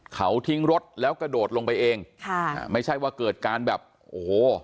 เขาทิ้งรถแล้วกระโดดลงไปเองค่ะไม่ใช่ว่าเกิดการแบบโอ้โห